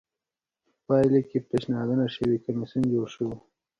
په پایله کې پېشنهاد شوی کمېسیون جوړ شو